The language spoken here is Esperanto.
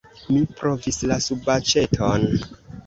Mi provis la subaĉeton.